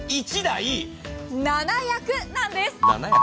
１台７役なんです！